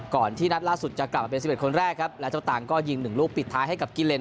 ที่นัดล่าสุดจะกลับมาเป็น๑๑คนแรกครับและเจ้าต่างก็ยิง๑ลูกปิดท้ายให้กับกิเลน